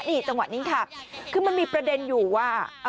นี่จังหวะนี้ค่ะคือมันมีประเด็นอยู่ว่า